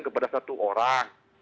kepada satu orang